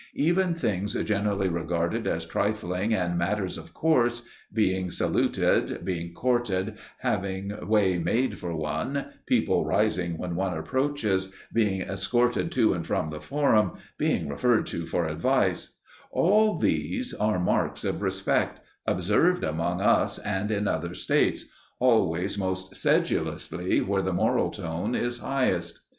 Even things generally regarded as trifling and matters of course being saluted, being courted, having way made for one, people rising when one approaches, being escorted to and from the forum, being referred to for advice all these are marks of respect, observed among us and in other States always most sedulously where the moral tone is highest.